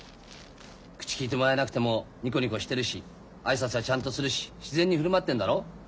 口きいてもらえなくてもニコニコしてるし挨拶はちゃんとするし自然に振る舞ってんだろ。